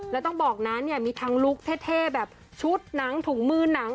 แล้วต้องบอกนะเนี่ยมีทั้งลุคเท่แบบชุดหนังถุงมือหนัง